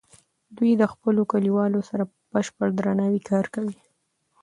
دوی د خپلو کلیوالو سره په بشپړ درناوي کار کوي.